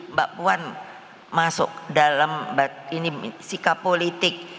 mbak puan masuk dalam sikap politik